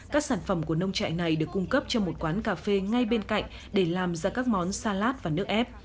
các sản phẩm của nông trại này được cung cấp cho một quán cà phê ngay bên cạnh để làm ra các món salat và nước ép